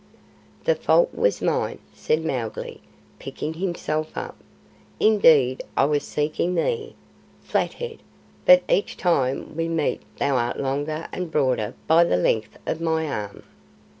"The fault was mine," said Mowgli, picking himself up. "Indeed I was seeking thee, Flathead, but each time we meet thou art longer and broader by the length of my arm.